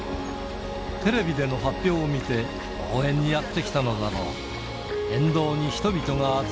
テレビでの発表を見て、応援にやって来たのだろう。